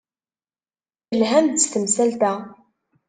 Telham-d s temsalt-a.